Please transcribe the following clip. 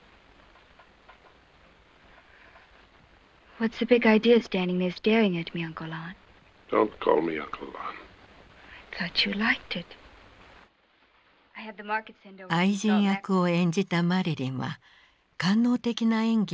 愛人役を演じたマリリンは官能的な演技で強烈な印象を残した。